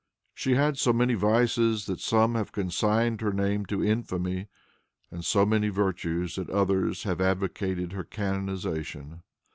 She had so many vices that some have consigned her name to infamy, and so many virtues, that others have advocated her canonization.